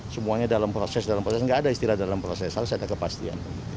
semuanya dalam proses dalam proses nggak ada istilah dalam proses harus ada kepastian